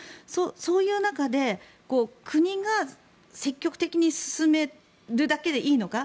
そういう中で国が積極的に進めるだけでいいのか。